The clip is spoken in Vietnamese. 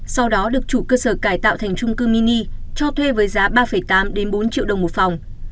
sau đó được chủ cơ sở cải tạo thành trung cư mini cho thuê với giá ba tám bốn triệu đồng một phòng